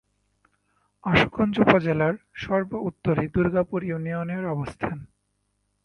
আশুগঞ্জ উপজেলার সর্ব-উত্তরে দুর্গাপুর ইউনিয়নের অবস্থান।